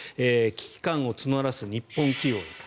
危機感を募らせる日本企業です。